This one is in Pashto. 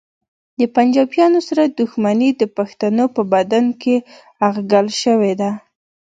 د پنجابیانو سره دښمني د پښتنو په بدن کې اغږل شوې ده